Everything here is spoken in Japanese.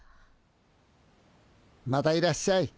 またいらっしゃい。